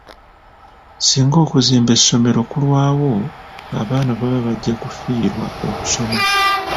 Singa okuzimba essomero kulwawo abaana baba bajja kufiirwa okusoma.